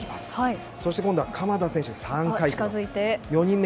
そして今度は鎌田選手で３回目。